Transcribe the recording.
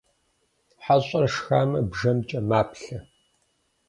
ХьэщIэр шхамэ, бжэмкIэ маплъэ